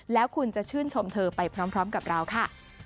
แล้วคุณจะชื่นชมเธอไปพร้อมกับเราค่ะ